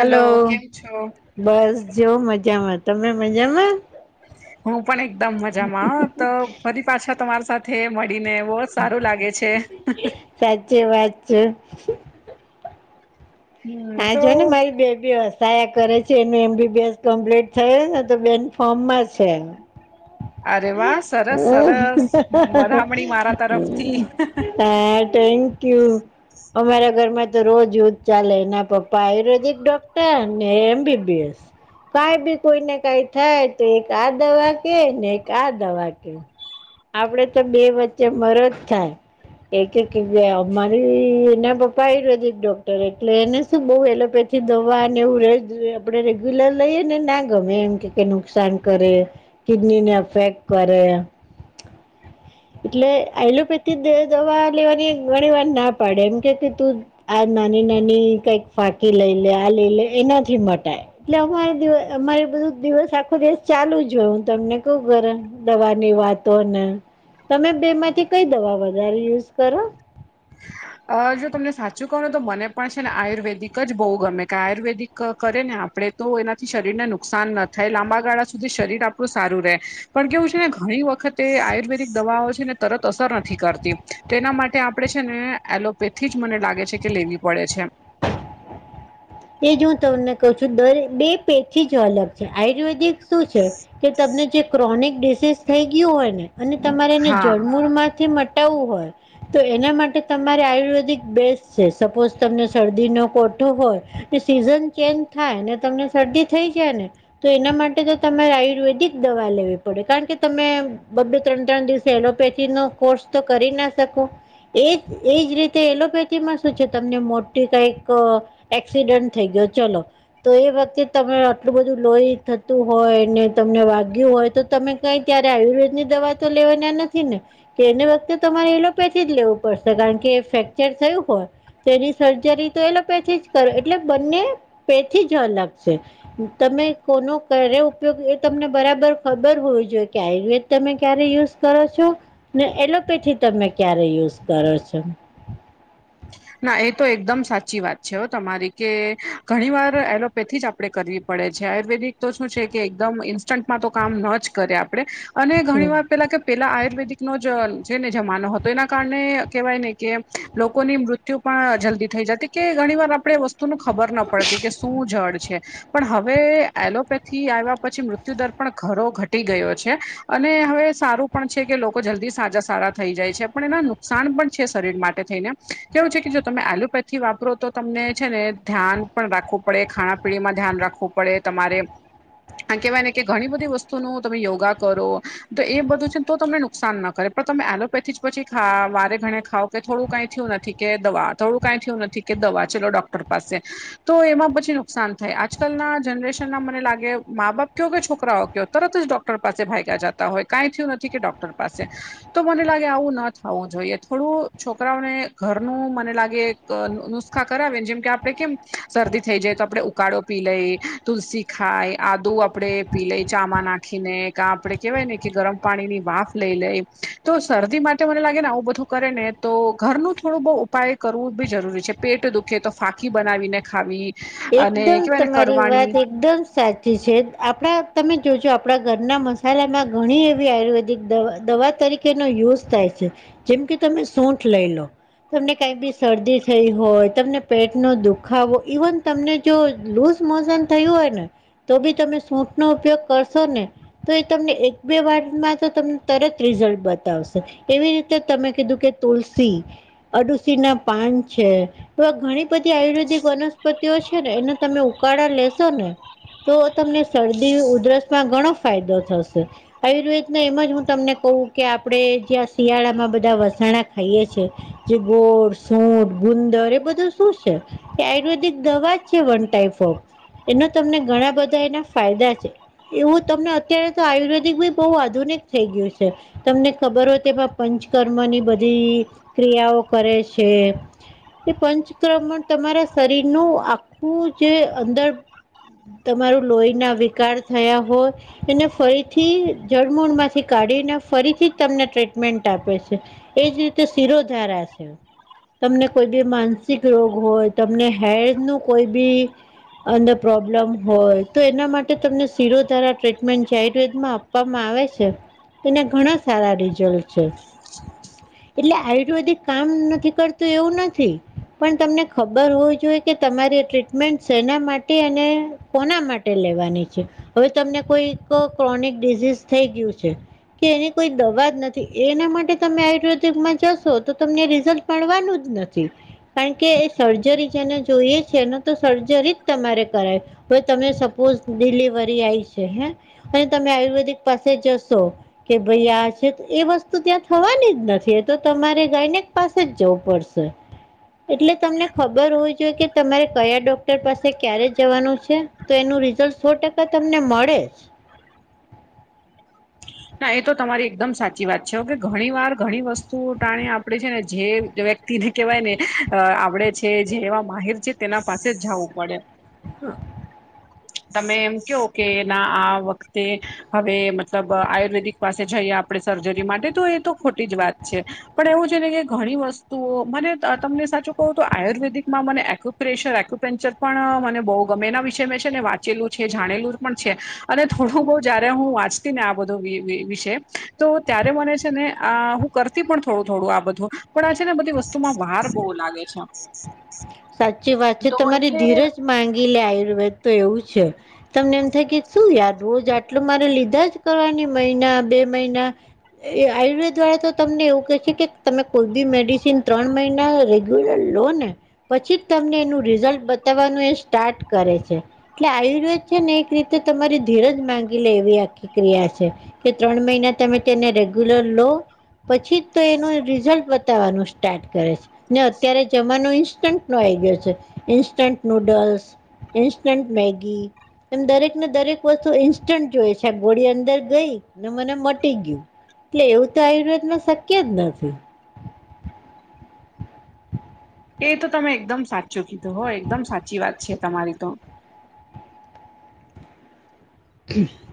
Hello કેમ છો બસ જોઓ મજામાં તમે મજામાં? હું પણ એકદમ મજામાં તો ફરી પાછા તમારી સાથે મળીને બહ જ સારું લાગે છે. સાચી વાત છે. હમ હા તો જો ને મારી બેબી હશ સાયા કરે છે એનું એમબીબીએસ કમ્પ્લીટ થયુને તો બેન ફોર્મમાં છે. [inaudible] હમ વાહ સરસ હ સરસ હ હ વધામણી મારા તરફથી હ [unintelligible] થેન્કયુ અમારા ઘરમાં તો રોજ એવું જ ચાલે ના પપ્પા આયુર્વેદિક ડોક્ટર ને એ એમબીબીએસ. કાંઈ બી કોઈ ને કઈ થાય તો એક આ દવા કે ને એક આ દવા કે. આપડે તો બે વચ્ચે મરો જ થાય. એકેકે બે અમારી એના પપ્પા આયુર્વેદિક ડોક્ટર એટલે એને શું બહુ એલોપેથી દવા અને એવું રે જે આપણે રેગ્યુલર લઈએ ને ના ગમે એમ કે કે નુકસાન કરે કિડનીને અફેક્ટ કરે. એટલે આલોપેથી દે દવા લેવાની ઘણી વાર ના પડે એમ કે કે તું આ નાની નાની કઈક ફાકી લઈ લે આ લઈ લે એનાથી મટાય. એટલે અમારે દિવ અમારે બધું દિવસ આખો દિવસ ચાલુ જ હોય હું તમને કઉ ઘરે. દવાની વાતો ને તમે બે માંથી કઈ દવા વધારે યુઝ કરો? અ જો તમને સાચું કહો ને તો મને પણ છે ને આયુર્વેદિક જ બહુ ગમે કે આયુર્વેદિક ક કરે ને આપડે તો એનાથી શરીરને નુકસાન ન થાય લાંબા ગાળા સુધી શરીર આપણું સારું રહે. પણ કેવું છે ને ઘણી વખતે આયુર્વેદિક દવાઓ છે ને તરત અસર નથી કરતી. તેના માટે આપણે છે ને એલોપેથી જ મને લાગે છે કે લેવી પડે છે. એજ હું તમને કઉ છું દરે બે પૈથી જ અલગ છે આયુર્વેદિક શું છે કે તમને જે ક્રોનિક ડિસીઝ થઈ ગયું હોય ને અને તમારે એને હા જળમૂર માંથી મટ ટાવું હોય તો એના માટે તમારે આયુર્વેદિક બેસ્ટ છે સપોઝ તમને શરદીનો કોઠો હોય કે સિઝન ચેન્જ થાય ને તમને શરદી થઈ જાય ને તો એના માટે તો તમારે આયુર્વેદિક દવા લેવી પડે કારણ કે તમે બબ્બે ત્રણ ત્રણ દિવસે એલોપેથી નો કોર્સ તો કરી ના શકો. એજ એજ રીતે એલોપેથી માં શું છે તમને મોટી કઈક એક્સિડન્ટ થઈ ગયો ચલો તો એ વખતે તમે આટલું બધું લોહી થતું હોય ને તમને વાગ્યું હોય તો તમે કઈ ત્યારે આયુર્વેદ ની દવા તો લેવાના નથી ને કે એને વખતે તમારે એલોપેથી જ લેવું પડશે કારણ કે ફ્રેક્ચર થયું હોય તેની સર્જરી તો એલોપેથી જ કરે એટલે બંને પેથી જ અલગ છે. તમે કોનો કરે ઉપયોગ એ તમને બરાબર ખબર હોવી જોઈએ કે આયુર્વેદ તમે ક્યારે યુઝ કરો છો ને એલોપેથી તમે ક્યારે યુઝ કરો છો. ના એ તો એકદમ સાચી વાત છે તમારી કે ઘણી વાર એલોપેથી જ આપ આપણે કરવી પડે છે આયુર્વેદિક તો શું છે કે એકદમ ઇન્સ્ટન્ટમાં તો કામ ન જ કરે આપણ [inaudible] અને હમ ઘણી વાર પેલા કે પેલા આયુર્વેદિક નો જ છે ને જમાનો હતો એના કારણે કહેવાય ને કે લોકોની મૃત્ય તે પણ જલ્દી થઈ જતી કે ઘણી વાર આપણે વસ્તુ ની ખબર ના પડતી કે શું જડ છે? પણ હવે એલોપેથી આવ્યા પછી મૃત્યુદર પણ ઘરો ઘટ ટી ગયો છે અને હવે સારું પણ છે કે લોકો જલ્દી સાજા સારા થઈ જાય છે પણ એના નુ સાન પણ છે શરીર માટે થઈને કેવું છે કે જો તમે એલોપેથી વાપરો તો તમને છે ને ધ્યાન પણ રાખવું પડે ખાણા પીણી માં ધ્યાન રાખવું પડે તમારે અને કેહેવાય ને કે ઘણી બધી વસ્તુનું તમે યોગા કરો તો એ બધું છે ને તો તમને નુકસાન ના કરે. પણ તમે એલોપેથી જ પછી ખા વારે ઘણે ખાવ કે થોડું કઈ થયું નથી કે દવા થોડું કઈ થયું નથી કે દવા ચલો ડોક્ટર પાસે તો એમાં પછી નુકસાન થાય આજકાલના જનરેશન ના મને લાગે મા બાપ કયો કે છોકરાઓ કયો તરત જ ડોક્ટર પાસે ભાયગ્યા જતા હોય કાંઈ થયું નથી કે ડોક્ટર પાસે તો મને લાગે આવું ના થવું જોઈએ થોડું છોકરાઓને ઘરનું મને લાગે એક નુસ્ખા કરાવે જેમ કે આપડે કેમ શરદી થઈ જાય તો આપડે ઉકાળો પી લઈ તુલસી ખાય આદુ આપડે પી લઈ ચામા નાખીને કા આપણે કેહેવાય ને કે ગરમ પાણી ની વાફ લઈ લઈ તો શરદી માટે મને લાગે ને આવું બધું કરે ને તો ઘરનું થોડું બહુ ઉપાય કરવું બી જરૂરી છે પેટ દુખે તો ફાંકી બનાવીને ખાવી અને એકદમ કેવાય ને તમારી કડવાણી વાત એકદમ સાચી છે આપણા તમે જોજો આપણા ઘરના મસાલામાં ઘણી એવી આયુર્વેદિક દવા દવા તરીકે એનો યુઝ થાય છે જેમ કે તમે સૂઠ લઈ લો. તમને કાંઈ બી શરદી થઈ હોય તમને પેટ નો દુખાવો ઈવન તમને જો લુઝ મોશન થયું હોય ને તો બી તમે સૂઠ નો ઉપયોગ કરશો ને તો એ તમને એક બે વારમાં તો તમને તરત રિઝલ્ટ બતાવશે. એવી રીતે તમે કીધું કે તુલસી અડુસી ના પાન છે એવા ઘણી બધી આયુર્વેદિક વનસ પત્તિઓ છે ને એને તમે ઉકાળા લેશો ને તો તમને શરદી ઉધરસ માં ઘણો ફાયદો થશે. આયુર્વેદના એમ જ હું તમને કહું કે આપડે જ્યાં શિયાળામાં બધા વસાણા ખાઈએ છીએ. જે ગોળ, સૂટ, ગુંદર એ બધું શું છે એ આયુર્વેદ તે દવા છે વન ટાઈપ ઓફ એના તમને ઘણા બધા એના ફાયદા છે. એવું તમને અત્યારે તો આયુર્વેદિક બી બહુ આધુનિક થઈ ગયું છે. તમને ખબર હોય તેમાં પંચકર્મ ની બધી ક્રિયાઓ કરે છે. એ પંચક્રમ માં તમારા શરીરનું આખું જે અંદર તમારું લોહી ના વિકાર થયા હોય એને ફરીથી જળમૂળ માંથી કાઢીને ફરીથી જ તમને ટ્રીટમેન્ટ આપે છે. એજ રીતે શિરો ધારા છે તમને કોઈ બી માનસિક રોગ હોય તમને હેર નુ કોઈ બી અંદર પ્રોબ્લેમ હોય તો એના માટે તમને સીરો ધારા ટ્રીટમેન્ટ છે આયુર્વેદ માં આપ આપવામાં આવે છે તેને ઘણા સારા રિઝલ્ટ છે. એટલે આયુર્વેદિક કામ નથી કરતું એવું નથી પણ તમને ખબર હોય કે તમારી ટ્રીટમેન્ટ શેના માટે અને કોના માટે લેવાની છે. હવે તમને કોઈ ક્રોનિક ડિઝઝ થઈ ગયું છે. કે એની કોઈ દવા જ નથી એના માટે તમે આયુર્વેદિકમાં જશો તો તમને રિઝલ્ટ પાડવાનું જ નથી કારણ કે એ સર્જરી જેને જોઈએ છેને તો સર્જરી જ તમારે કરે પ તમે સપોઝ ડિલિવરી આયી છે હે પહી તમે આયુર્વેદિક પાસે જશો કે ભઈ આ છે એ વસ્તુ ત્યાં થવાની જ નથી એ તો તમારે ગાય ને પાસે જ જવું પડશે એટલે તમને ખબ બર હોવી જોઈએ કે તમારે કયા ડોક્ટર પાસે ક્યારે જવાનું છે તો એનું રિઝલ્ટ સો ટ ત તમને મળે હા એ તો તમારી એકદમ સાચી વાત છે ઓકે ઘણી વાર ઘણી વસ્તુઓ ટાણી આપડે છે ને જે વ તીને કેવાય ને આપડે છે જે એવા માહીર છે તેના પાસે જ જવું પડે હા તમે એમ કયો કે ના આ વખતે હવે મતલબ આય આયુર્વેદિક પાસે જઈએ આપડે સર્જરી માટે તો એ તો ખોટી જ વાત છે પણ એવું છે ને કે ઘણી વસ્તુઓ મને તમને સાચું કવું તો આયુર્વેદિકમાં મને આખુ પ્રેશર એક્યુપેન્ચર પણ મને બહુ ગમે એના વિશે મેં છે ને વાંચેલું છે જાણેલું પણ છે અને થોડું બહુ જયારે હું વાંચતી ને આ બધું વિશે તો ત્યારે મને છે ને અ હું કરતી પણ થોડું થોડું આ બધું પણ આ છે ને બધી વસ્તુમાં ભાર બહુ લાગે છે સાચી વાત છે તો તમારી એટલે ધીરજ માંગી લે આયુર્વેદ તો એવું છે તમને એમ થાય કે શું યાર રોજ આટલો મારે લીધા જ કરવાની મહિના બે મહિના એ આયુર્વેદ વાળા તો તમને એવું કહે છે કે તમે કોઈ બી મેડિસિન ત્રણ મહિના રેગ્યુલર લો ને પછી જ તમને એનું રિઝલ્ટ બતાવાનું એ સ્ટાર્ટ કરે છે એટલે આયુર્વેદ છે ને એક રીતે તમારી ધીરજ માંગી લે એવી આખી ક્રિયા છે કે ત્રણ મહિના તમે તેને રેગ્યુલર લો પછી જ તો એનું રિઝલ્ટ બતાવાનું સ્ટાર્ટ કરે છે ને અત્યારે જમાનો ઇન્સ્ટન્ટ નો આવી ગયો છે ઇન્સ્ટન્ટ નુડલ્સ ઇન્સ્ટન્ટ મેગી એમ દરેકને દરેક વસ્તુ ઈન્સ્ટન્ટ જોયે છે આ ગોળી અંદર ગઈ ને મને મટી ગયું એટલે એવું તો આયુર્વેદ માં શક્ય જ નથી એ તો તમે એકદમ સાચું કીધું હો એકદમ સાચી વાત છે તમારી તો [unintelligible]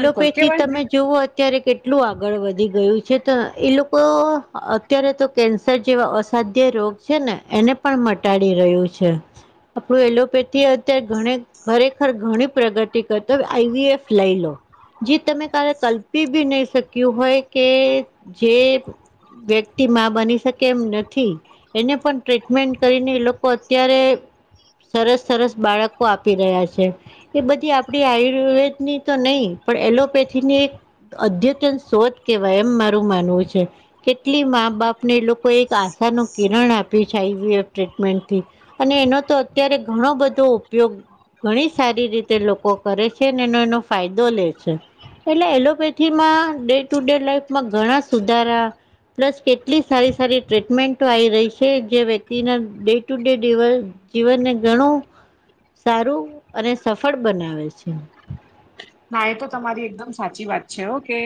બિલકુલ કેવાય તમે ને જોવ ત્યારે કેટલું આગળ વધી ગયું છે તો એ લોકો અત્યારે તો કેન્સ સર જેવા અસાધ્ય રોગ છે ને એને પણ મટાડી રહ્યું છે આપડુ એલોપેથી અત્યારે ઘણે ખરેખર ઘણી પ્રગતિ કરતો આઈ વી એફ લઈ લો જે તમે ક્યારે કલ્પી બી નઈ શક્યું હોય કે જે વ્યક્તિ માં બની શકે એમ નથી એને પણ ટ્રીટમેન્ટ કરીને એ લોકો અત્યારે સરસ સરસ બાળકો આપી રહ્યા છે એ બધી આપડી આયુર્વેદ ની તો ન‌ઈ પણ એલોપેથીની એક અધ્યતન શોધ કેવાય એમ મારું માનવું છે કેટલી મા બાપ આપને એ લોકો એક આશા નો કિરણ આપી છે આયવી એક ટ્રીટમેન્ટ થી અને એનો તો અત્યારે ઘણો બધો ઉપયોગ ઘણી સારી રીતે લોકો કરે છે એનો એનો ફાયદો લે છે એટલે એલોપેથીમાં ડે ટુ ડે લાઈફમાં ઘણા સુધારા પ્લસ કેટલી સારી સારી ટ્રીટમેન્ટો આવી રહી છે જે વ્યક્તિના ડે ટુ ડે દિવસ જીવનને ઘણું સારું અને સફળ બનાવે છે ના એ તો તમારી એકદમ સાચી વાત છે કે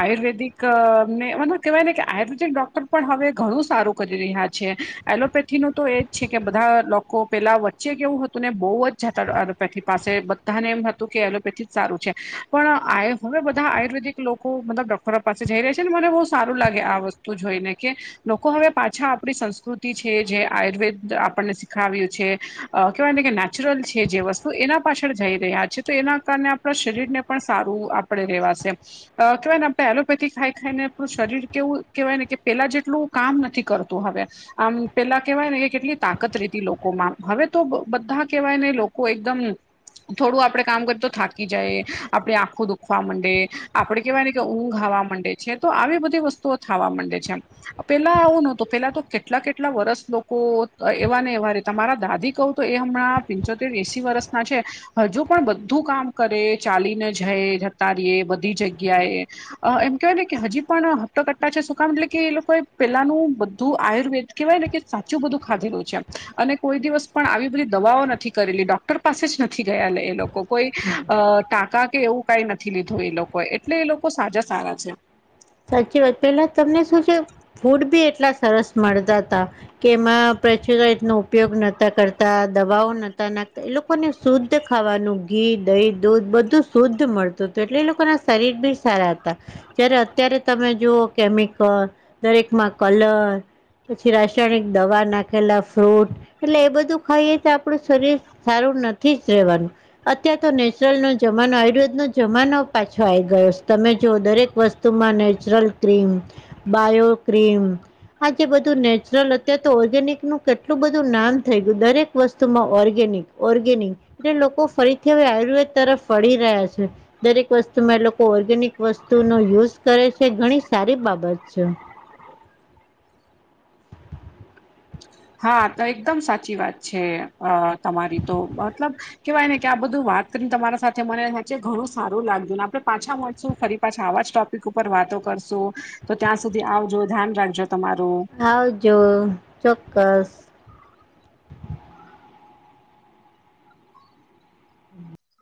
આયુર્વેદિકને મ કહેવાય ને કે આયુર્વેદિક ડોક્ટર પણ હવે ઘણું સારું કરી રહ્યા છે, એલોપેથી નો તો એ છે કે બધા લોકો પેલા વચ્ચે કેવું હતું ને બો જ જાે પાસે હતા ને એમ હતું કે એલોપેથી સારું છે, પણ આ હવે બધા આયુર્વેદિક લોકો મતલબ ડોક્ટરો પાસે જઈ રહ્યા છે, ને મને બો સારું લાગે આ વસ્તુ તું જોય ને કે લોકો હવે પાછા આપણી સંસ્કૃતિ છે, જે આયુર્વેદ આપણને શીખાવ્યું છે અ કહેવાય ને કે નેચરલ છે, જે વસ્તુ એના પાછળ જઈ રહ્યા છે તો એના કારણે આપણા શરીર ને પણ સારું આપણેે રેવાશે કેહેવાય ને આપણે એલોપેથી ખાઈ ખાઈને આપણું શરીર કેવું કેહેવાય ને કે પેલા જેટલું કામ નથી કરતું હવે આમ પેલા કેવાય ને કે કેટલી તાકત રેતી લોકોમાં હવે તો બધા કેવાય ને લોકો એકદમ થોડું આપણે કામ કર તો થા જાય આપણે આંખો દુખવા માંડે, આપણે કેહેવાય ને કે ઊંઘ ખાવા માંડે છે, કેતો આવી બધી વસ્તુ તો થાવા માંડે છે આમ પેલા આવું નતો, પેલા તો કેટલા કેટલા વર્સ લોકો એવા ને એવા રતે તમારા દાદી કહું તો એ હમણાં પિંચોતેર એસી વર્ષના છે, હજુ પણ બધું કામ કરે ચાલીને જાય, જતા રેએ, બધી જગ્યાએ એમ કેહેવાય ને કે હજી પણ હપ્તો કટ્ટા છે, સુકામ એટલે કે એ લોકો એ પેલાનું બધું આયુર્વેદ કહેવાય ને કે સાચું બધું ખાધેલું છેમ અને કોઈ દિવસ પણ આવી બધી દવાઓ નથી કરેલી, ડોક્ટર પાસે જ નથી ગયા લે એ લોકો કોઈ અ ટાકા કે એવું કઈ નથી લીધું એ લોકોએ, એટલે એ લોકો સાજા સારા છે સાચી વાત પેલા તમને શું છે, ફૂડ બી એટલા સરસ મળતા તા કે એમાં પ્રચલ રીતનો ઉપયોગ નતા કરતા દવાઓ નતા નાખતા એ લોકો લોકોને શુદ્ધ ખાવાનું ઘી દહી દૂધ બધું શુદ્ધ મળતું હતું, એટલે એ લોકો ના શરીર ની સારા હતા, જ્યારે અત્યારે તમે જુઓ કેમિકલ દરેકમાં કલર પછી રાસાયણિક દવા નાખેલા ફ્રૂટ એટલે એ બધું ખાઈએ તો આપણું શરીર સારું નથી જ રહેવાનું અત્યાર તો નેચરલ નો જમાનો આયુર્વેદ નો જમાનો પાછો આઈ ગયો તમે જો દરેક વસ્તુ તેમાં નેચુરલ ક્રીમ, બાયો ક્રીમ આ જે બધું નેચરલ અત્યારે તો ઓર્ગેનિક નું કેટલું બધું નામ થઈ ગયું, દરેક વસ્તુમાં ઓર્ગેનિક ઓર્ગેનિક એટલે લોકો ફરીથી હવે આયુર્વેદ તરફ વળી રહ્યા છે. દરેક વસ્તુમાં એ લોકો ઓર્ગેનિક વસ્તુનો યુઝ કરે છે ઘણી સારી બાબત છે. [inaudible] [inaudible] હા તો એકદમ સાચી વાત છે, અ તમારી તો મતલબ કેવાય ને કે આ બધું વાત કરીને તમારા સાથે મને સાચે ઘણું સારું લાગયું ને આપડે પાછા મળશું ફરી પાછ આવા જ ટોપિક ઉપર વાતો કરશું, તો ત્યાં સુધી આવજો ધ્યાન રાખજો તમારું. આવજો ચોક્કસ.